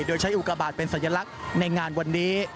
โดยใช้อุกบาทเป็นสัญลักษณ์ในงานวันนี้